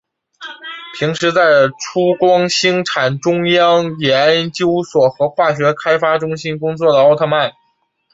平时在出光兴产中央研究所和化学开发中心工作的奥特曼。